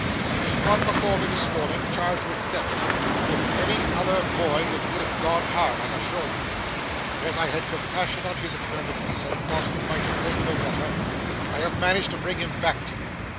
He was brought before me, this morning, charged with theft; and with any other boy it would have gone hard, I assure you. But, as I had compassion on his infirmities, and thought he might have learnt no better, I have managed to bring him back to you.